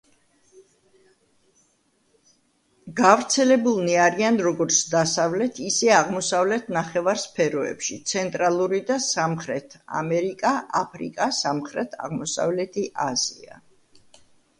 გავრცელებულნი არიან როგორც დასავლეთ, ისე აღმოსავლეთ ნახევარსფეროებში: ცენტრალური და სამხრეთ ამერიკა, აფრიკა, სამხრეთ-აღმოსავლეთი აზია.